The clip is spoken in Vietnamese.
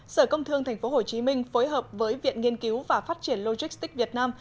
sở công thương tp hcm phối hợp với viện nghiên cứu và phát triển logistics việt nam